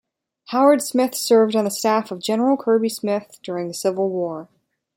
Howard Smith served on the staff of General Kirby Smith during the Civil War.